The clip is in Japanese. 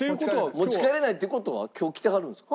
持ち帰れないって事は今日来てはるんですか？